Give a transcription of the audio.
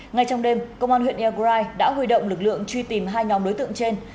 ngay trong đêm công an huyện eagrai đã huy động lực lượng truy tìm hai nhóm đối tượng trên